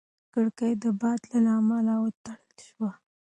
کړکۍ د باد له امله وتړل شوه.